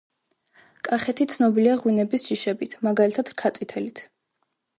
კახეთი ცნობილია ღვინების ჯიშებით მაგალითად რქაწითელით